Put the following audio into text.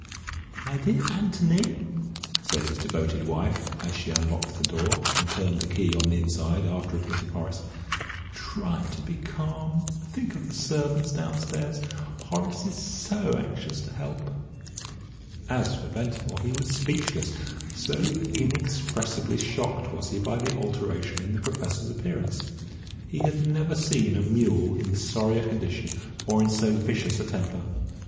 "My dear Anthony," said his devoted wife, as she unlocked the door and turned the key on the inside after admitting Horace, "try to be calm. Think of the servants downstairs. Horace is so anxious to help." As for Ventimore, he was speechless so inexpressibly shocked was he by the alteration in the Professor's appearance. He had never seen a mule in sorrier condition or in so vicious a temper.